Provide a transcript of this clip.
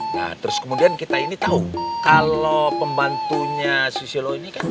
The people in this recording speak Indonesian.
nah terus kemudian kita ini tahu kalau pembantunya susilo ini kan